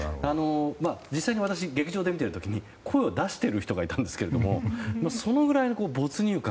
実際に私、劇場で見ている時に声を出している人がいたんですがそのぐらいの没入感